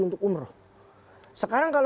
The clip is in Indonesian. untuk umroh sekarang